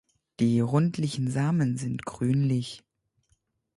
Die rundlichen Samen sind grünlich.